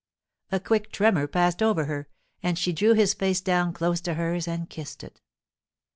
A quick tremor passed over her, and she drew his face down close to hers and kissed it.